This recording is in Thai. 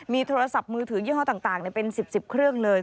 มีโทรศัพท์มือถือยี่ห้อต่างเป็น๑๐๑๐เครื่องเลย